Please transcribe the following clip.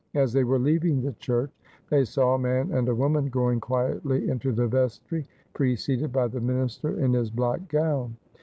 As they were leaving the church, they saw a man and a woman going quietly into the vestry, preceded by the minister in his black gown.